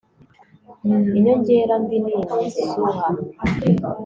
inyongera mbi ni imisuha